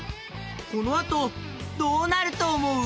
このあとどうなるとおもう？